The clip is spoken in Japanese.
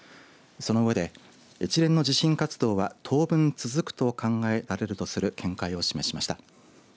その上で、一連の地震活動は当分、続くと考えられるとする見解を示しました。